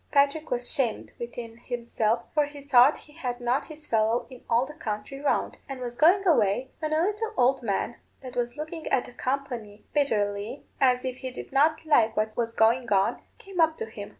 Patrick was 'shamed within himself, for he thought he had not his fellow in all the country round; and was going away, when a little old man, that was looking at the company bitterly, as if he did not like what was going on, came up to him.